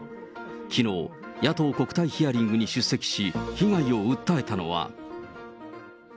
きのう、野党国対ヒアリングに出席し、被害を訴えたのは。